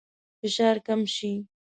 فشار کم شي.